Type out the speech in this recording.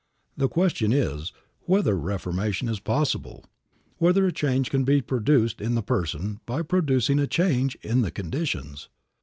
The question is whether reformation is possible, whether a change can be produced in the person by producing a change in the conditions.